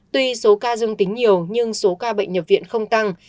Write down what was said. tuy số ca dương tính nhiều nhưng số ca bệnh nhập viện không tăng